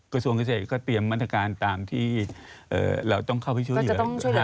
กระทรวงเกษตรก็เตรียมมาตรการตามที่เราต้องเข้าไปช่วยเหลือ